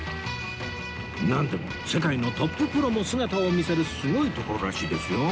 なんでも世界のトッププロも姿を見せるすごい所らしいですよ